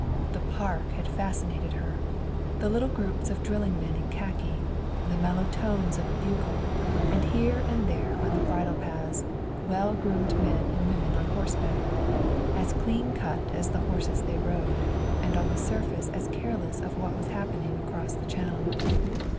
The park had fascinated her the little groups of drilling men in khaki, the mellow tones of a bugle, and here and there on the bridle paths well groomed men and women on horseback, as clean cut as the horses they rode, and on the surface as careless of what was happening across the Channel.